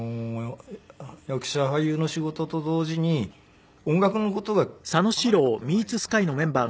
役者俳優の仕事と同時に音楽の事と離れた事がないんですよね。